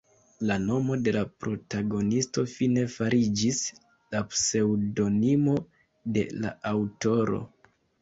La nomo de la protagonisto fine fariĝis la pseŭdonimo de la aŭtoro.